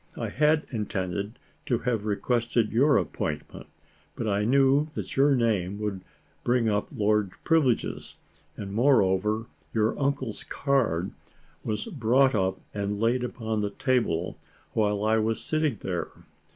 I had intended to have requested your appointment, but I knew that your name would bring up Lord Privilege's; and, moreover, your uncle's card was brought up and laid upon the table while I was sitting there.